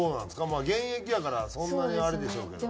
まあ現役やからそんなにあれでしょうけど。